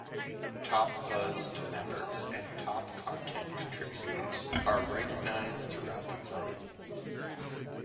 Top buzzed members and top content contributors are recognized throughout the site.